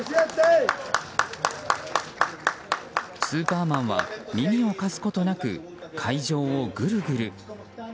スーパーマンは耳を貸すことなく会場をグルグル。